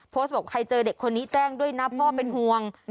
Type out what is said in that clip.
บอกใครเจอเด็กคนนี้แจ้งด้วยนะพ่อเป็นห่วง